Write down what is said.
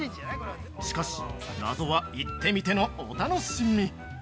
しかし、謎は行ってみてのお楽しみ！